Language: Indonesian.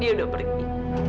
dia udah pergi